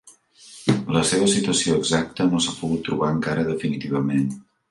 La seva situació exacta no s'ha pogut trobar encara definitivament.